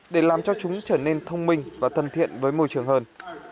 để làm cho chúng trở nên thông minh và thân thiện với môi trường hơn